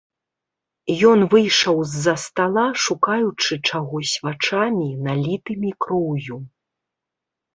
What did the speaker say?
Ён выйшаў з-за стала, шукаючы чагось вачамі, налітымі кроўю.